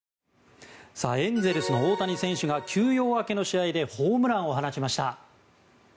エンゼルスの大谷選手が休養明けの試合でホームランを放ちました。